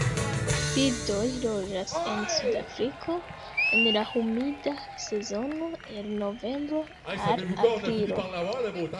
Birdoj loĝas en Sudafriko en la humida sezono el novembro al aprilo.